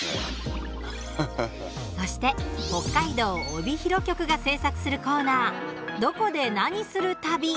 そして、北海道・帯広局が制作するコーナー「どこでなにする旅」。